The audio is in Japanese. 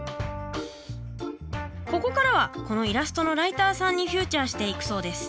ここからはこのイラストのライターさんにフューチャーしていくそうです。